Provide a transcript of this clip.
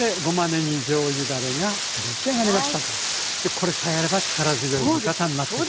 これさえあれば力強い味方になってくれる。